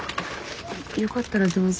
よかったらどうぞ。